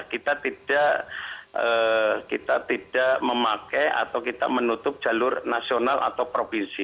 kita tidak memakai atau kita menutup jalur nasional atau provinsi